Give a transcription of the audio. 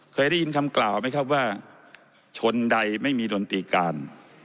เคยได้ยินคำกล่าวไหมครับว่าชนใดไม่มีดนตรีการ